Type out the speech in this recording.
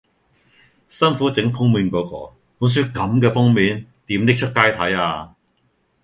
辛苦整封面嗰個，本書感嘅封面，點拎出街睇呀